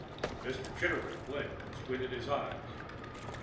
Mr. Chitterwick blinked and squinted his eyes.